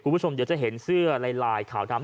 คุณผู้ชมเดี๋ยวจะเห็นเสื้อลายขาวดำ